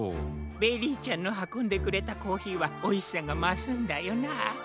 ベリーちゃんのはこんでくれたコーヒーはおいしさがますんだよなあ。